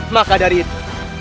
maka dari itu